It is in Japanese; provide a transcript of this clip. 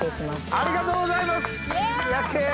ありがとうございます！